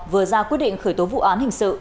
vừa ra quyết định khởi tố vụ án hình sự